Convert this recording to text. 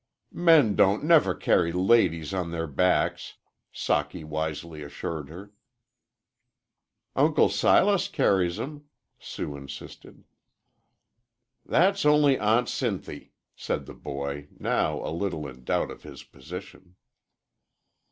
"Men don't never carry ladies on their backs," Socky wisely assured her. "Uncle Silas carries 'em," Sue insisted. "That's only Aunt Sinthy," said the boy, now a little in doubt of his position.